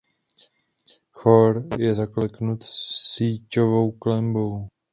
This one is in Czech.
Chór je zaklenut síťovou klenbou.